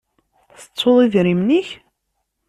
Tettuḍ idrimen-ik?